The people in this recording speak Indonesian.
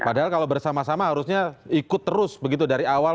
padahal kalau bersama sama harusnya ikut terus begitu dari awal